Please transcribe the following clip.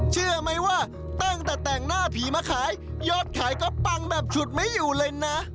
เชื่อไหมว่าตั้งแต่แต่งหน้าผีมาขายยอดขายก็ปังแบบฉุดไม่อยู่เลยนะ